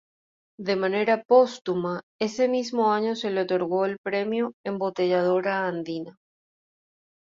De manera póstuma, ese mismo año se le otorgó el Premio Embotelladora Andina.